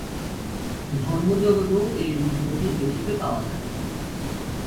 ধর্মজগতেও এইরূপ গতি দেখিতে পাওয়া যায়।